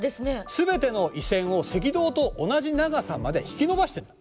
すべての緯線を赤道と同じ長さまで引き伸ばしているんだ。